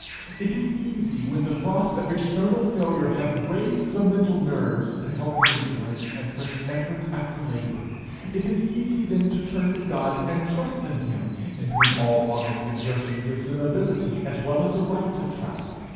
It is easy when the frosts of external failure have braced the mental nerves to healthy endurance and fresh effort after labour, it is easy then to turn to God and trust in him, in whom all honest exertion gives an ability as well as a right to trust.